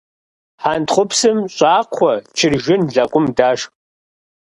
Хьэнтхъупсым щӀакхъуэ, чыржын, лэкъум дашх.